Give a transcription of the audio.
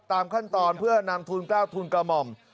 ตามขั้นตอนเพื่อนำทุน๙ทุนกระหม่อม